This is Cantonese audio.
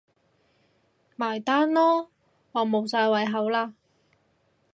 埋單囉，我無晒胃口喇